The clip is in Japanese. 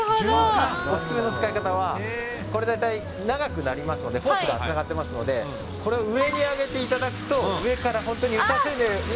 お勧めの使い方は、これ大体、長くなりますので、ホースがつながってますので、これを上に上げていただくと、上から本当に打たせ湯のように。